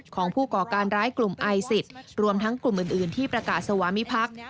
ของผู้ก่อการร้ายกลุ่มไอซิสรวมทั้งกลุ่มอื่นที่ประกาศสวามิพักษ์